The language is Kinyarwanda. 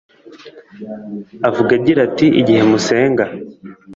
avuga agira ati :« igihe musenga